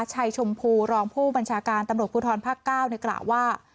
ชัยชมภูรองผู้บัญชาการตำรวจภูทรภาคเก้าในกล่าวว่า